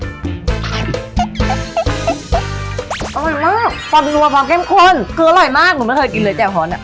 อร่อยมากความนัวความเข้มข้นคืออร่อยมากหนูไม่เคยกินเลยแจ่หอนอ่ะ